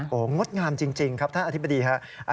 โอ้โหงดงามจริงครับท่านอธิบดีครับ